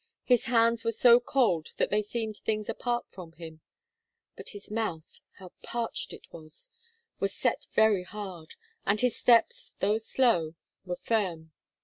His hands were so cold that they seemed things apart from him. But his mouth how parched it was! was set very hard, and his steps, though slow, was firm.